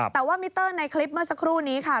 แต่ว่ามิเตอร์ในคลิปเมื่อสักครู่นี้ค่ะ